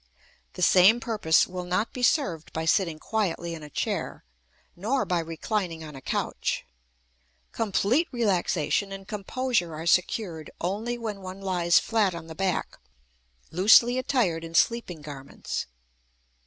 The same purpose will not be served by sitting quietly in a chair, nor by reclining on a couch; complete relaxation and composure are secured only when one lies flat on the back, loosely attired in sleeping garments.